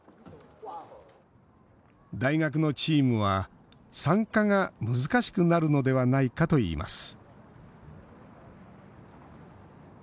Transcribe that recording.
大学のチームは参加が難しくなるのではないかといいます